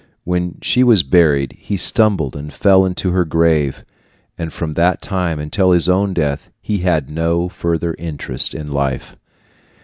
When she was buried, he stumbled and fell into her grave, and from that time until his own death he had no further interest in life.